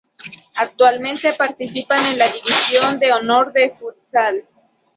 Actualmente participa en la División de Honor de Futsal.